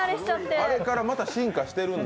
あれからまた進化してるんだ。